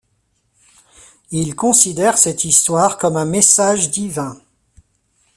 Ils considèrent cette histoire comme un message divin.